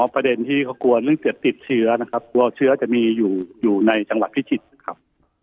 ประเด็นที่เขากลัวเรื่องจะติดเชื้อนะครับกลัวเชื้อจะมีอยู่ในจังหวัดพิจิตรนะครับ